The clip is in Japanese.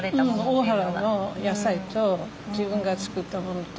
大原の野菜と自分が作ったものと。